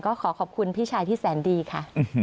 ก็ขอขอบคุณพี่ชายที่แสนดีค่ะ